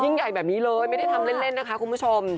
ใหญ่แบบนี้เลยไม่ได้ทำเล่นนะคะคุณผู้ชม